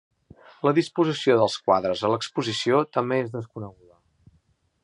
La disposició dels quadres a l'exposició també és desconeguda.